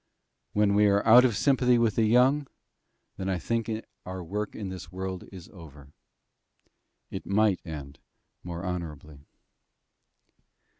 When we are out of sympathy with the young, then I think our work in this world is over. It might end more honourably.